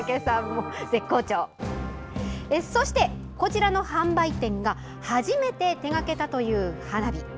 そして、こちらの販売店が初めて手掛けたという花火。